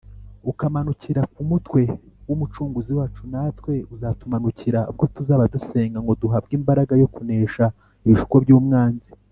Ukamanukira ku mutwe w’Umucunguzi wacu natwe uzatumanukira ubwo tuzaba dusenga ngo duhabwe imbaraga yo kunesha ibishuko by’umwanzi